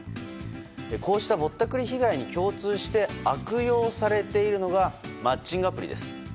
こうした、ぼったくり被害に共通して悪用されているのがマッチングアプリです。